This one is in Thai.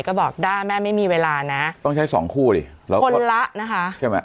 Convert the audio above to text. ก็บอกด้าแม่ไม่มีเวลานะต้องใช้สองคู่ดิคนละนะคะใช่ไหม